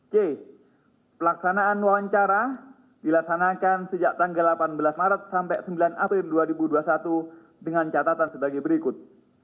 c pelaksanaan wawancara dilaksanakan sejak tanggal delapan belas maret sampai sembilan april dua ribu dua puluh satu dengan catatan sebagai berikut